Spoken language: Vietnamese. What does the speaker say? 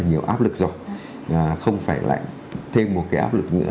nhiều áp lực rồi không phải lại thêm một cái áp lực nữa